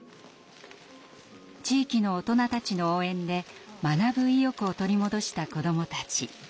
地域の大人たちの応援で学ぶ意欲を取り戻した子どもたち。